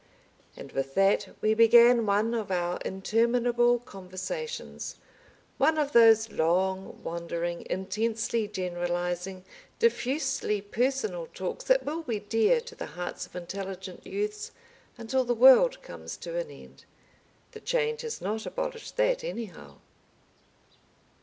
... And with that we began one of our interminable conversations, one of those long, wandering, intensely generalizing, diffusely personal talks that will be dear to the hearts of intelligent youths until the world comes to an end. The Change has not abolished that, anyhow.